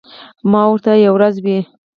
ما ورته یوه ورځ وې ـ